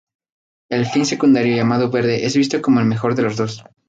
El fin secundario llamado 'verde' es visto como el mejor de los dos.